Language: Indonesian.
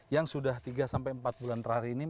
yang sudah tiga sampai empat bulan terakhir ini